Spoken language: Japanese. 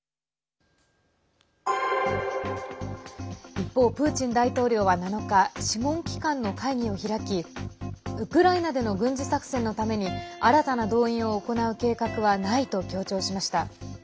一方、プーチン大統領は７日諮問機関の会議を開きウクライナでの軍事作戦のために新たな動員を行う計画はないと強調しました。